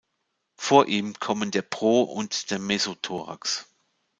Vor ihm kommen der Pro- und der Mesothorax.